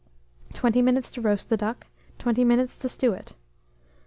20 minutes to roast the duck; 20 minutes to stew it.